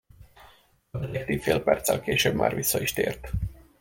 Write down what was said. A detektív fél perccel később már vissza is tért.